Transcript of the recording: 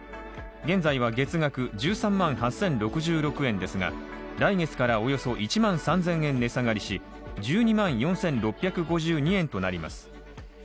現在は月額１３万８０６６円ですが、来月からおよそ１万３０００円値下がりし、１２万４６５２円となります。